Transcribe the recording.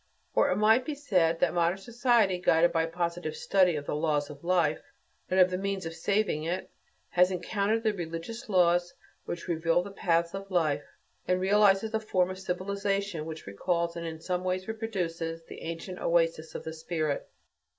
Or it might be said that modern society, guided by positive study of the laws of life and of the means of saving it, has encountered the religious laws which reveal the paths of life; and realizes a form of civilization which recalls and, in some ways, reproduces the ancient oases of the spirit.